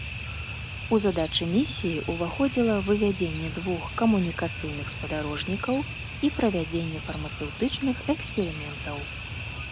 У задачы місіі ўваходзіла вывядзенне двух камунікацыйных спадарожнікаў і правядзенне фармацэўтычных эксперыментаў.